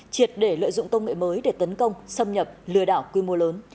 triệt để lợi dụng công nghệ mới để tấn công xâm nhập lừa đảo quy mô lớn